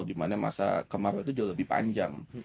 dimana masa kemarau itu jauh lebih panjang